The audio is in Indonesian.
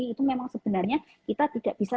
itu memang sebenarnya kita tidak bisa